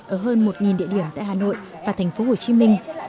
ở hơn một địa điểm tại hà nội và thành phố hồ chí minh